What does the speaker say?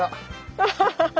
アハハハ。